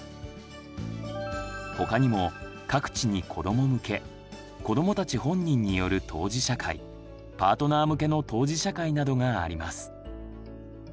他にも各地に子ども向け子どもたち本人による当事者会パートナー向けの当事者会などがあります。